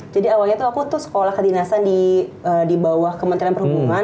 jadi awalnya aku tuh sekolah kedinasan di bawah kementerian perhubungan